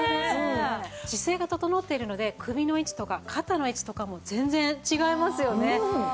姿勢が整っているので首の位置とか肩の位置とかも全然違いますよね。